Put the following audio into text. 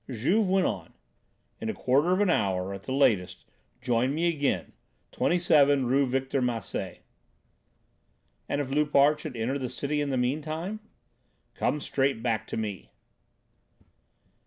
Juve went on: "In a quarter of an hour at the latest join me again, 27 Rue Victor Massé." "And if Loupart should enter the Cité in the meantime?" "Come straight back to me."